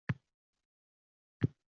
Men tegishli joydan Ushladiboevman